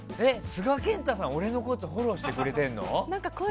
須賀健太さんが俺のことフォローしてくれてんの。